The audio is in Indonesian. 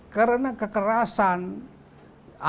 karena kekerasan aniaya terjadi setiap hari